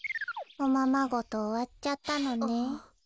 おままごとおわっちゃったのね。